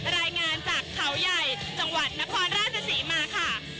รายงานจากเขาใหญ่จังหวัดนครราชศรีมาค่ะ